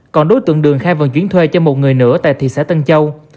còn đối tượng đường khai vận chuyển thuê cho một người nữa tại thị xã tân châu